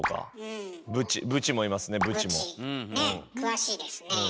詳しいですねえ。